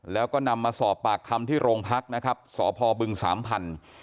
แล้วก็นำมาสอบปากคำที่โรงพักนะครับสพบึงสามพันธุ์